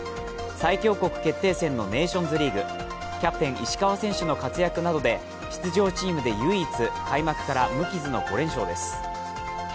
最強国決定戦のネーションズリーグ、キャプテン・石川選手の活躍などで出場チームで唯一開幕から無傷の５連勝です。